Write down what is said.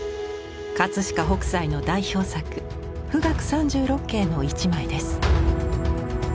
飾北斎の代表作「冨嶽三十六景」の一枚です。